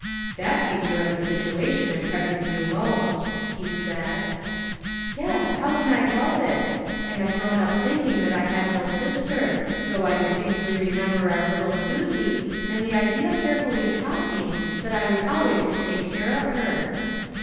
" That feature of the situation impresses you most," he said. " Yes ; how can I help it ? I have grown up thinking that I had no sister; though I dis tinctly remember our little Susie, and the idea carefully taught me that I was always to take care of her."